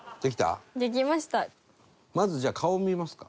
まずじゃあ顔見ますか。